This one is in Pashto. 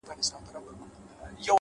خپل خوبونه په عمل بدل کړئ؛